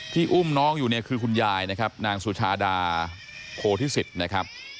อุ้มน้องอยู่เนี่ยคือคุณยายนะครับนางสุชาดาโพธิสิทธิ์นะครับ